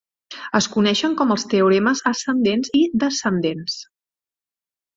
Es coneixen com els teoremes ascendents i descendents.